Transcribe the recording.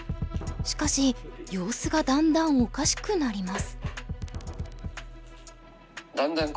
しかし様子がだんだんおかしくなります。